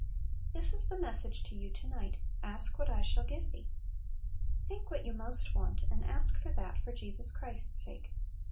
This is the message to you to night, M Ask what I shall give thee." Think what you most want, and ask for that, for Jesus Christ's sake.